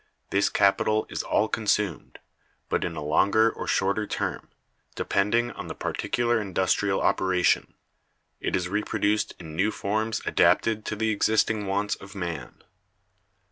This capital is all consumed, but in a longer or shorter term (depending on the particular industrial operation) it is reproduced in new forms adapted to the existing wants of man.